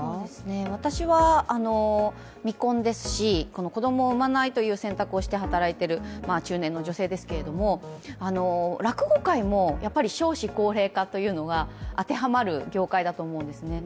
私は未婚ですし子供を産まないという選択をして働いている中年の女性ですけれども、落語界もやっぱり少子高齢化というのが当てはまる業界だと思うんですね。